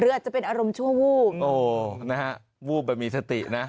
เลือดจะเป็นอารมณ์ชั่ววูบวูบแบบมีสตินะ